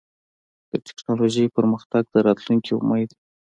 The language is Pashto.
د ټکنالوجۍ پرمختګ د راتلونکي امید دی.